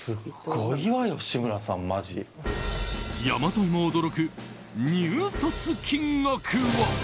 山添も驚く入札金額は。